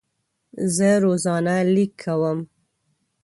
زه روزانه لیک کوم.